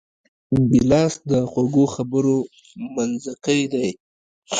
ګیلاس د خوږو خبرو منځکۍ دی.